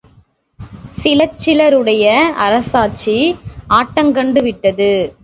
சிலச் சிலருடைய அரசாட்சி ஆட்டங்கண்டு விட்டது.